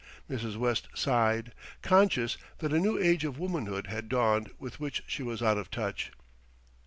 Mrs. West sighed, conscious that a new age of womanhood had dawned with which she was out of touch.